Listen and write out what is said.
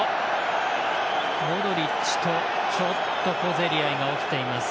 モドリッチと小競り合いが起きています。